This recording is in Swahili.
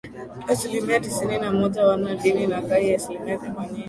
Asilimia tisini na moja wana dini na kai ya asilimia themanini